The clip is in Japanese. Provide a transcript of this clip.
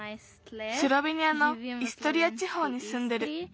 スロベニアのイストリアちほうにすんでる。